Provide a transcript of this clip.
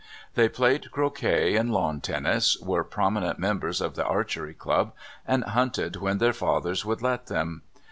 They played croquet and lawn tennis, were prominent members of the Archery Club, and hunted when their fathers would let them.